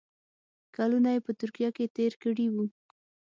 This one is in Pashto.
کلونه یې په ترکیه کې تېر کړي وو.